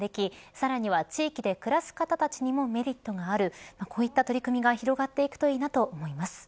さらには地域で暮らす方たちにもメリットがあるこういった取り組みが広がっていくといいなと思います。